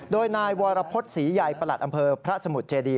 โดยนายวรพฤษศรีใยประหลัดอำเภอพระสมุทรเจดี